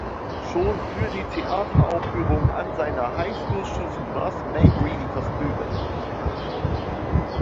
Schon für die Theateraufführungen an seiner High School schuf Moss Mabry die Kostüme.